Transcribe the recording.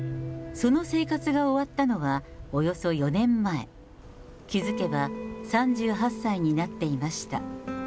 その生活が終わったのはおよそ４年前、気付けば３８歳になっていました。